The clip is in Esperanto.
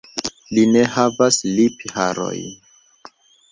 Li ne havas lipharojn.